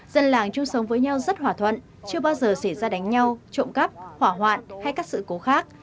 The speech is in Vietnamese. dân làng chung sống với nhau rất hòa thuận chưa bao giờ xảy ra đánh nhau trộm cắp hỏa hoạn hay các sự cố khác